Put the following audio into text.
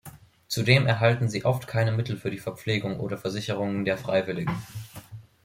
Zudem erhalten sie oft keine Mittel für die Verpflegung oder Versicherungen der Freiwilligen.